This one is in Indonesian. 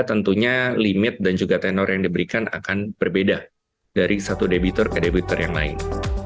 tentunya limit dan juga tenor yang diberikan akan berbeda dari satu debitor ke debitor yang lain